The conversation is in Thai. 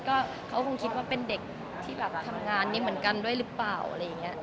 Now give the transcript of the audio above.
ก็เขาคงคิดว่าเป็นเด็กที่แบบทำงานนี้เหมือนกันด้วยหรือเปล่าอะไรอย่างนี้